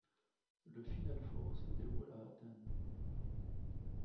Le final four se déroule à Athènes.